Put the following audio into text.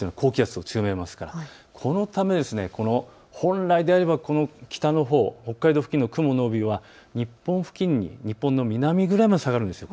このため本来であれば北のほう、北海道付近の雲の帯が日本付近に、日本の南ぐらいまで下がるんです。